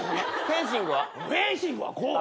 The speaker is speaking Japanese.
フェンシングはこう。